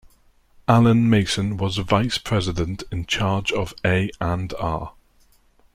Allan Mason was Vice President in charge of A and R.